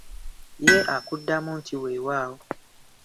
Ye akuddamu nti weewaawo.